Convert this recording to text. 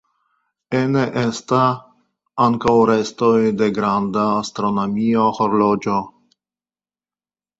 Ene esta ankaŭ restoj de granda astronomia horloĝo.